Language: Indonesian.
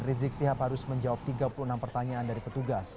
rizik sihab harus menjawab tiga puluh enam pertanyaan dari petugas